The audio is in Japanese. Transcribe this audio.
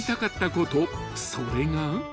［それが］嘘！？